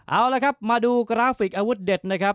เอาละครับมาดูกราฟิกอาวุธเด็ดนะครับ